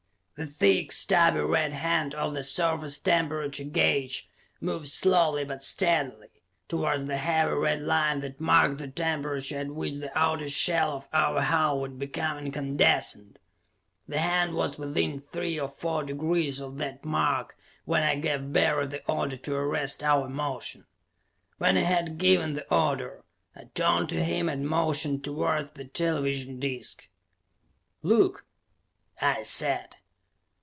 The thick, stubby red hand of the surface temperature gauge moved slowly but steadily towards the heavy red line that marked the temperature at which the outer shell of our hull would become incandescent. The hand was within three or four degrees of that mark when I gave Barry the order to arrest our motion. When he had given the order, I turned to him and motioned towards the television disc. "Look," I said.